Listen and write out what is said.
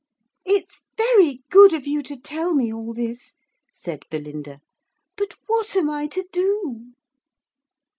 'It's very good of you to tell me all this,' said Belinda, 'but what am I to do?'